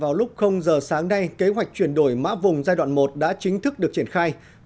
ở sáng nay kế hoạch chuyển đổi mã vùng giai đoạn một đã chính thức được triển khai